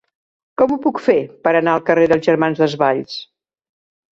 Com ho puc fer per anar al carrer dels Germans Desvalls?